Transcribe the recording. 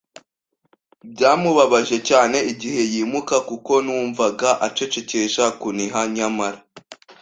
byamubabaje cyane igihe yimuka - kuko numvaga acecekesha kuniha - nyamara